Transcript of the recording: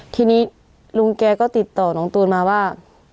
ทีนี้ลุงแกก็ติดต่อน้องตูนมาว่า